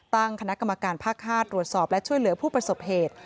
ตั้งคกรภหาดตรวจสอบและช่วยเหลือผู้ประสบเหตุ